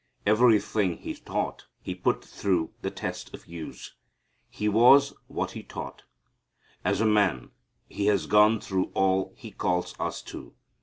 Everything He taught He put through the test of use. He was what He taught. As a man He has gone through all He calls us to.